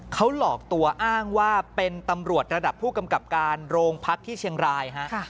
เขาหลอกตัวอ้างว่าเป็นตำรวจระดับผู้กำกับการโรงพักที่เชียงรายฮะ